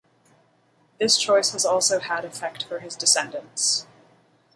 This choice has also had effect for his descendants.